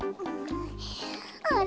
あれ？